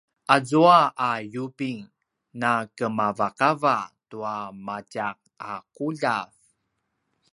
azua a yubing nakemavakava tua matjak a ’uljav